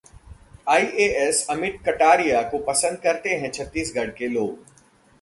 IAS Amit Kataria को पसंद करते हैं छत्तीसगढ़ के लोग